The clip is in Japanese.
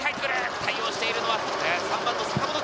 対応しているのは３番の坂本翼。